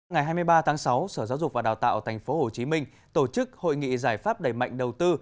ngày hai mươi ba tháng sáu sở giáo dục và đào tạo tp hcm tổ chức hội nghị giải pháp đẩy mạnh đầu tư